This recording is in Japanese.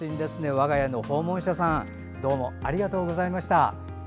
我が家の訪問者さんどうもありがとうございました。